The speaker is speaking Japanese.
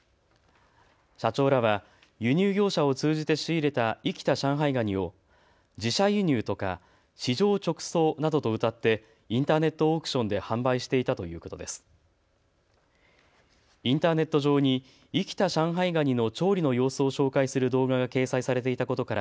社長らは輸入業者を通じて仕入れた生きた上海ガニを自社輸入とか市場直送などとうたってインターネットオークションで販売していたということです。